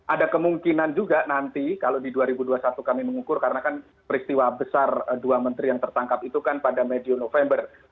ada kemungkinan juga nanti kalau di dua ribu dua puluh satu kami mengukur karena kan peristiwa besar dua menteri yang tertangkap itu kan pada medium november